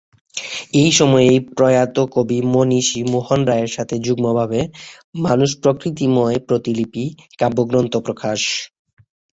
এই সময়ই প্রয়াত কবি মনীষী মোহন রায়ের সাথে যুগ্মভাবে "মানুষ প্রকৃতিময় প্রতিলিপি" কাব্যগ্রন্থ প্রকাশ।